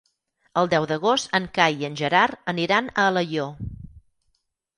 El deu d'agost en Cai i en Gerard aniran a Alaior.